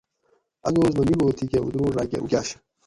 اۤ دوس مہ مینگور تھی کہ اتروڑ راۤ کہ اوکاۤںش